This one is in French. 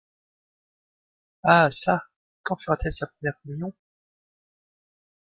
Ah çà! quand fera-t-elle sa première communion?